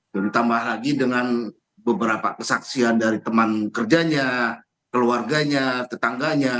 ditambah lagi dengan beberapa kesaksian dari teman kerjanya keluarganya tetangganya